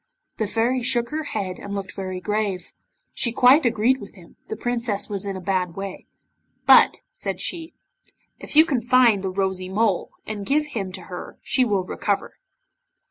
The Fairy shook her head, and looked very grave. She quite agreed with him, the Princess was in a bad way 'But,' said she, 'if you can find the Rosy Mole, and give him to her she will recover.